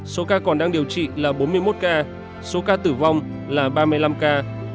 số ca còn đang điều trị là bốn mươi một ca số ca tử vong là ba mươi năm ca